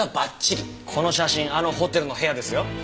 この写真あのホテルの部屋ですよ。